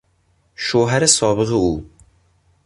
شوهر سابق او